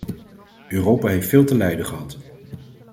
Europa heeft veel te lijden gehad.